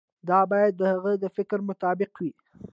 دا باید د هغه د فکر مطابق وي.